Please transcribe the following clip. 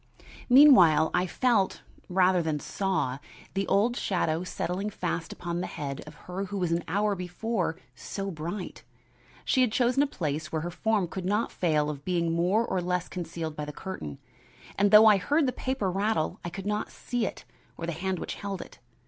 Meanwhile I felt, rather than saw, the old shadow settling fast upon the head of her who an hour before had been so bright. She had chosen a place where her form could not fail of being more or less concealed by the curtain, and though I heard the paper rattle I could not see it or the hand which held it.